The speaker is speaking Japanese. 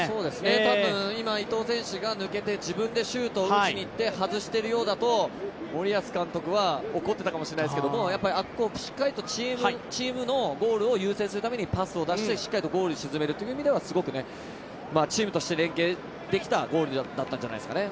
多分、今、抜けて、自分でシュートを打って外しているようだと、森保監督は怒っていたかもしれないですけどあそこをしっかりとチームのゴールを優先するためにパスを出して、しっかりとゴールに沈めるという意味ではチームとして連係できたゴールだったんじゃないですかね。